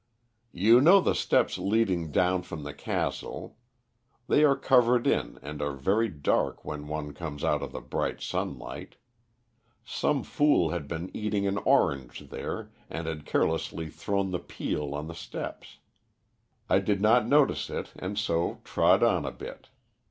"You know the steps leading down from the castle. They are covered in, and are very dark when one comes out of the bright sunlight. Some fool had been eating an orange there, and had carelessly thrown the peel on the steps. I did not notice it, and so trod on a bit.